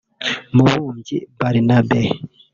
Mubumbyi Barnabe